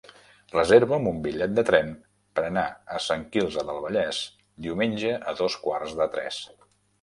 Reserva'm un bitllet de tren per anar a Sant Quirze del Vallès diumenge a dos quarts de tres.